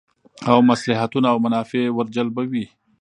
او مصلحتونه او منافع ور جلبوی